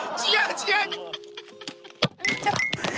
違う！